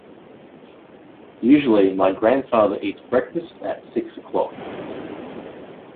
Usually, my grandfather eats breakfast at six o'clock.